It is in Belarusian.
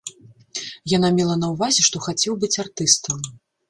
Яна мела на ўвазе, што хацеў быць артыстам.